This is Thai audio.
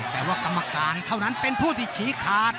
แต่ว่ากรรมการเท่านั้นเป็นผู้ที่ชี้ขาด